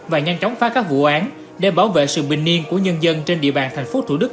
và nhanh chóng phá các vụ án để bảo vệ sự bình niên của nhân dân trên địa bàn thành phố thủ đức